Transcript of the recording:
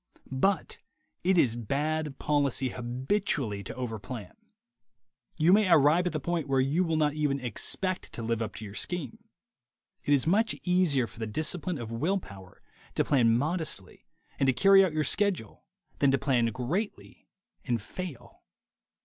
But it is bad policy habitually to overplan. You may arrive at the point where you will not even expect to live up to your scheme. It is much easier for the discipline of will power to plan modestly and to carry out your schedule than to plan greatly and fail.